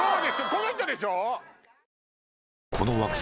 この人でしょ！